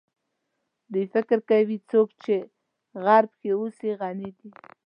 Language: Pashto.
دوی فکر کوي څوک چې غرب کې اوسي غني دي.